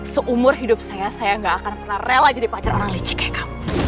seumur hidup saya saya tidak akan pernah rela jadi pacar orang licik seperti kamu